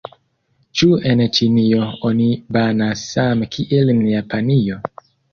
Ĉu en Ĉinio oni banas same kiel en Japanio?